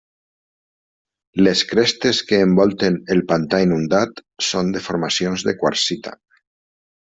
Les crestes que envolten el pantà inundat són de formacions de quarsita.